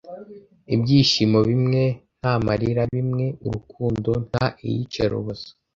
ibyishimo bimwe nta marira bimwe urukundo nta iyicarubozo